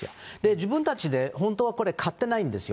自分たちで本当はこれ、買ってないんですよ。